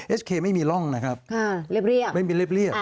เอสเคไม่มีร่องนะครับเรียบเรียบไม่มีเรียบเรียบ